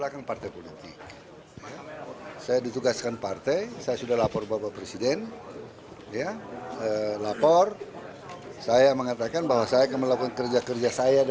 keduanya akan memanfaatkan waktu libur untuk berkampanye